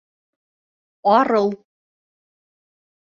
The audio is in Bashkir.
— Арыу.